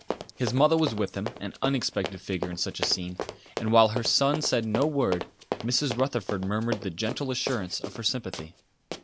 His mother was with him, an unexpected figure in such a scene; and while her son said no word, Mrs. Rutherford murmured the gentle assurance of her sympathy.